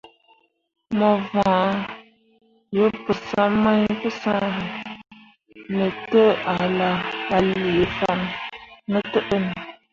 Mo vãã we pəsam mai pəsãhe, me tə a lee fan ne təʼnanne.